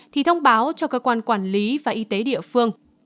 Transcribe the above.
thì thông báo cho cơ quan quản lý và y tế địa phương